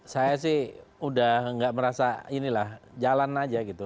saya sih udah nggak merasa inilah jalan aja gitu